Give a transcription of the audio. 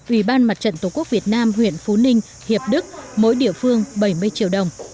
ủy ban mặt trận tổ quốc việt nam huyện phú ninh hiệp đức mỗi địa phương bảy mươi triệu đồng